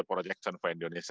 apa proyeksi untuk indonesia